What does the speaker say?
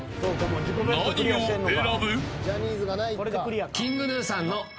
何を選ぶ。